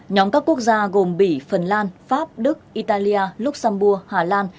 nhóm các quốc gia gồm bỉ phần lan pháp đức italia luxembourg hà lan